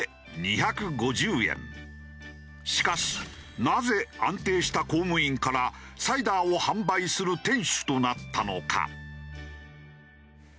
しかしなぜ安定した公務員からサイダーを販売する店主となったのか？